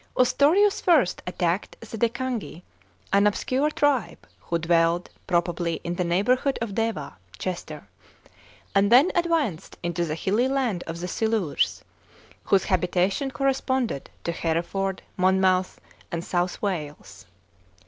t Ostorius first attacked the Decangi, an obscure tribe, who dwelled probably in the neighbourhood of Deva, (Chester), and then advanced into the hilly land of the Silures, whose habitation corresponded to Hereford, Monmouth and South Wales.